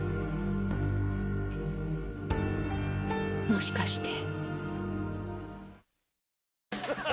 もしかして。